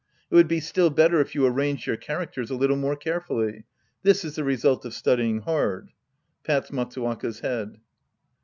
It would be still better if you arranged your characters a little more carefully. Tills is the result of studying hard. (Pais Matsuwaka's head.)